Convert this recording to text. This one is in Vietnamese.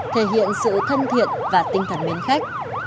thể hiện sự thân thiện và tinh thần mến khách